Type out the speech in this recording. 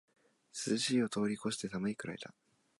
涼しいを通りこして寒いくらいだ